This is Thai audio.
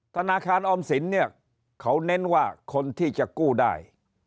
ธนาคารออมสินเนี่ยเขาเน้นว่าคนที่จะกู้ได้